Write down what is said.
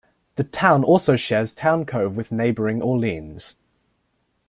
The town also shares Town Cove with neighboring Orleans.